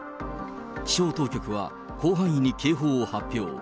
気象当局は広範囲に警報を発表。